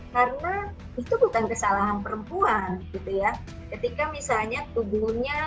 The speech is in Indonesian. ketika misalnya tubuhnya